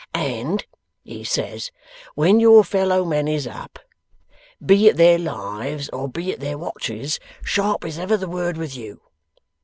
"And," he says, "when your fellow men is up, be it their lives or be it their watches, sharp is ever the word with you.